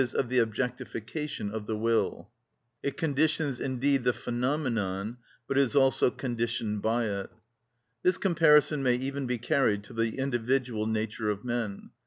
_, of the objectification of the will: it conditions indeed the phenomenon, but is also conditioned by it. This comparison may even be carried to the individual nature of men.